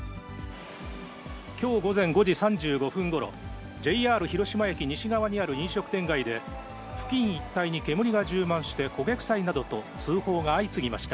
きょう午前５時３５分ごろ、ＪＲ広島駅西側にある飲食店街で、付近一帯に煙が充満して焦げ臭いなどと、通報が相次ぎました。